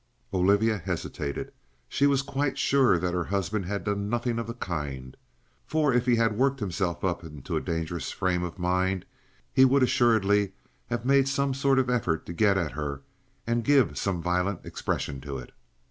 Olivia hesitated. She was quite sure that her husband had done nothing of the kind, for if he had worked himself up into a dangerous frame of mind he would assuredly have made some effort to get at her and give some violent expression to it.